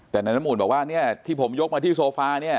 แต่นายน้ำอุ่นบอกว่าที่ผมยกมาที่โซฟา